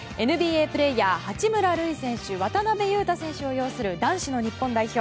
ＮＢＡプレーヤー八村塁選手渡邊雄太選手を擁する男子の日本代表。